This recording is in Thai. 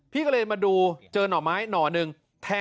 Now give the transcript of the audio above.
พี่มีอาการป่วยไข้นะ